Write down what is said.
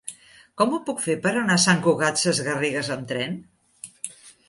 Com ho puc fer per anar a Sant Cugat Sesgarrigues amb tren?